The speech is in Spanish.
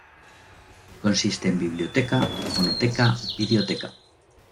Consiste en biblioteca, fonoteca, videoteca.